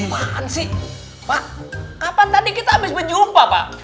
pak kapan tadi kita habis berjumpa pak